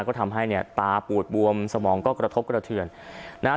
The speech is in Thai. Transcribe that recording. ก็ทำให้เนี่ยตาปูดบวมสมองก็กระทบกระเทือนนะฮะ